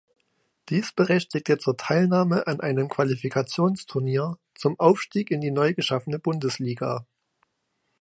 Dies berechtigte zur Teilnahme an einem Qualifikationsturnier zum Aufstieg in die neu geschaffene Bundesliga.